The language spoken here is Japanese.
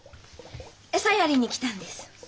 餌やりに来たんです。